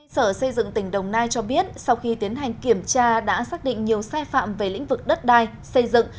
sở xây dựng tỉnh đồng nai cho biết sau khi tiến hành kiểm tra đã xác định nhiều sai phạm về lĩnh vực đất đai xây dựng